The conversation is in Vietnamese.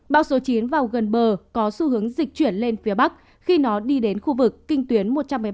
bão số chín vào gần bờ có xu hướng dịch chuyển lên phía bắc khi nó đi đến khu vực kinh tuyến một trăm một mươi ba một trăm một mươi năm